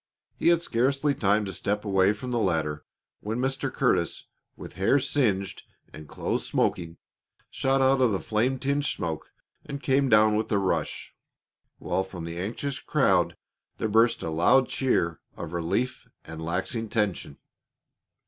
He had scarcely time to step away from the ladder when Mr. Curtis, with hair singed and clothes smoking, shot out of the flame tinged smoke and came down with a rush, while from the anxious crowd there burst a loud cheer of relief and laxing tension.